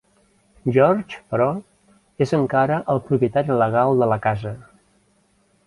George, però, és encara el propietari legal de la casa.